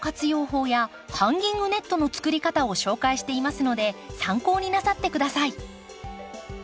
法やハンギングネットの作り方を紹介していますので参考になさって下さい。